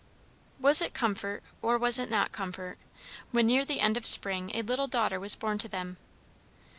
Was it comfort, or was it not comfort, when near the end of spring a little daughter was born to them?